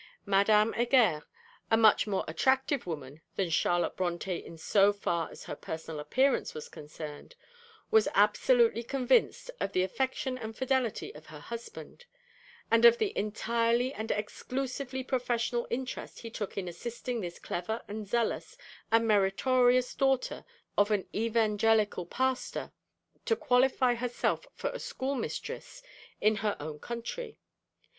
Madame Heger, a much more attractive woman than Charlotte Brontë in so far as her personal appearance was concerned, was absolutely convinced of the affection and fidelity of her husband, and of the entirely and exclusively professorial interest he took in assisting this clever and zealous and meritorious daughter of an evangelical Pastor, to qualify herself for a schoolmistress in her own country.